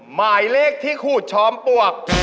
หมายเลขที่ขูดจอมปลวก